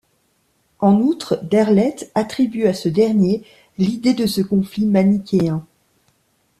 En outre, Derleth attribue à ce dernier l'idée de ce conflit manichéen.